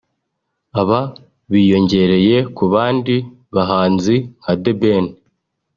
Aba biyongereye ku bandi bahanzi nka The Ben